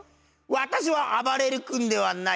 私はあばれる君ではない。